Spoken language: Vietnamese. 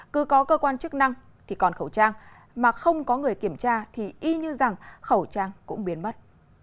cứ có cơ quan chức năng thì còn khẩu trang mà không có người kiểm tra thì y như rằng khẩu trang cũng biến mất